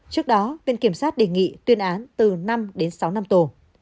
trước đó viện kiểm sát đề nghị tuyên án từ năm đến sáu năm tù